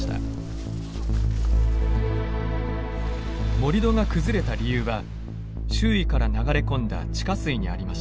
盛土が崩れた理由は周囲から流れ込んだ地下水にありました。